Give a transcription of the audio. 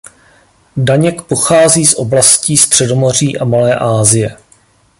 Daněk pochází z oblastí Středomoří a Malé Asie.